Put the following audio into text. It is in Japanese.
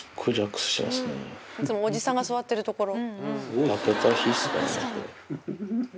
いつもおじさんが座ってるところ。